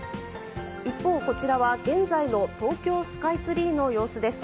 一方、こちらは現在の東京スカイツリーの様子です。